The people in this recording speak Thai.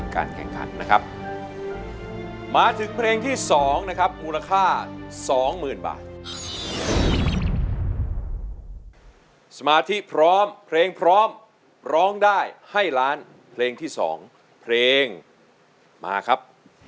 การแข่งขันนะครับมาถึงเพลงที่๒นะครับมูลค่า๒๐๐๐บาทสมาธิพร้อมเพลงพร้อมร้องได้ให้ล้านเพลงที่๒เพลงมาครับ